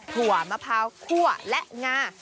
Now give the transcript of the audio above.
ถั่วมะพร้าวคั่วและงา